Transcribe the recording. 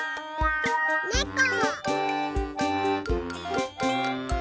ねこ。